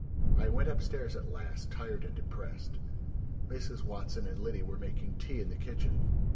I went up stairs at last, tired and depressed. Mrs. Watson and Liddy were making tea in the kitchen.